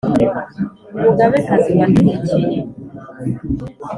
umugabekazi waduhekeye